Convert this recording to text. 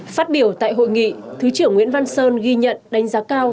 phát biểu tại hội nghị thứ trưởng nguyễn văn sơn ghi nhận đánh giá cao